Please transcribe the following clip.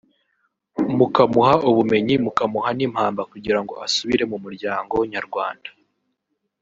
mukamuha ubumenyi mukamuha n’impamba kugira ngo asubire mu muryango nyarwanda